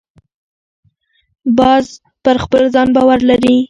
باز پر خپل ځان باور لري